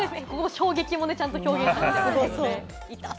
衝撃もちゃんと表現されてますよね。